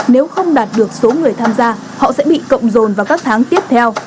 nếu không đạt được số người tham gia họ sẽ bị cộng dồn vào các tháng tiếp theo